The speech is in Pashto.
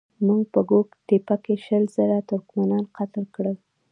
موږ په ګوک تېپه کې شل زره ترکمنان قتل کړل.